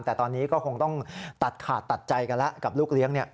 แต่ตอนนี้ก็คงต้องตัดขาดตัดใจกันแล้วกับลูกเลี้ยง